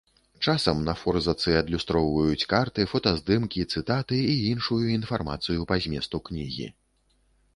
Часам на форзацы адлюстроўваюць карты, фотаздымкі, цытаты і іншую інфармацыю па зместу кнігі.